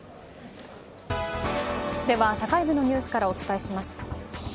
では社会部のニュースからお伝えします。